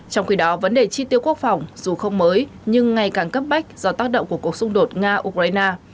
trong khi đó vấn đề chi tiêu quốc phòng dù không mới nhưng ngày càng cấp bách do tác động của cuộc xung đột nga ukraine